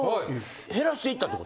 減らしていったって事？